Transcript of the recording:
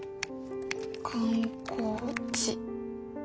観光地。